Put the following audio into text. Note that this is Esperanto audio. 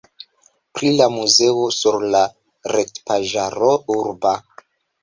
Pri la muzeo sur la retpaĝaro urba.